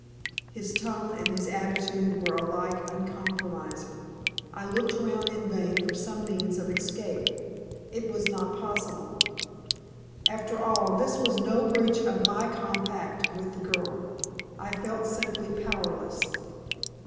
His tone and his attitude were alike uncompromising. I looked round in vain for some means of escape. It was not possible. After all this was no breach of my compact with the girl. I felt simply powerless.